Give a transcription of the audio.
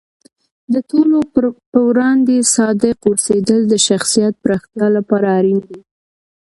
د ټولو په وړاندې صادق اوسیدل د شخصیت پراختیا لپاره اړین دی.